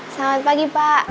selamat pagi pak